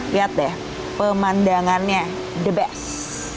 lihat deh pemandangannya the best